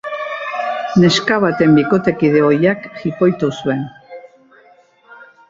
Neska baten bikotekide ohiak jipoitu zuen.